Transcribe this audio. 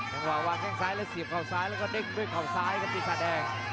แค่ว่าวางแค่งซ้ายแล้วเสียบเข้าซ้ายแล้วก็เดินด้วยเข้าซ้ายกับพี่สาดแดง